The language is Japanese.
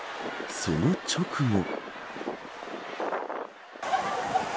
その直後。